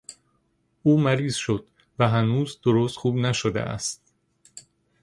او مریض شد و هنوز درست خوب نشده است.